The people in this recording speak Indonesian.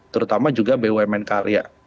terutama juga bumn karya